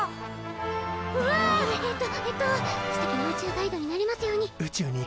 すてきな宇宙ガイドになれますように！